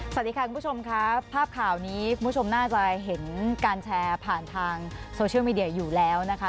สวัสดีค่ะคุณผู้ชมค่ะภาพข่าวนี้คุณผู้ชมน่าจะเห็นการแชร์ผ่านทางโซเชียลมีเดียอยู่แล้วนะคะ